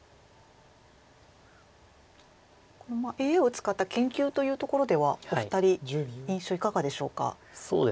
ＡＩを使った研究というところではお二人印象いかがでしょうか？